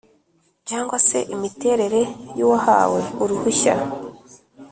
cyangwa se imiterere y’uwahawe uruhushya;